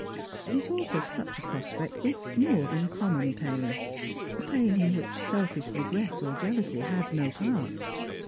He thought of such a prospect with more than common pain, a pain in which selfish regret or jealousy had no part.